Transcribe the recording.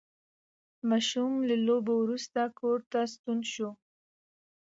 ماشوم له لوبو وروسته کور ته ستون شو